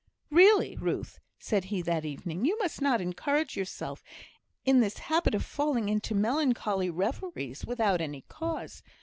"Really, Ruth," said he, that evening, "you must not encourage yourself in this habit of falling into melancholy reveries without any cause.